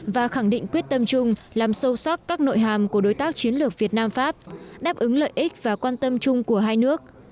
và khẳng định quyết tâm chung làm sâu sắc các nội hàm của đối tác chiến lược việt nam pháp đáp ứng lợi ích và quan tâm chung của hai nước